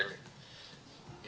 yaitu imbuan saja